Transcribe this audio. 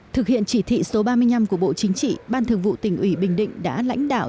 thực hiện chỉ thị số ba mươi năm của bộ chính trị ban thường vụ tỉnh ủy bình định đã lãnh đạo